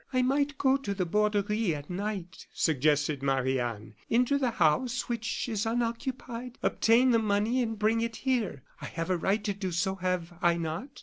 "I might go to the Borderie at night," suggested Marie Anne, "enter the house, which is unoccupied, obtain the money and bring it here. I have a right to do so, have I not?"